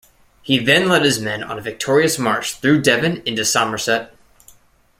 He then led his men on a victorious march through Devon into Somerset.